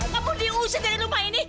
kamu diusir dari rumah ini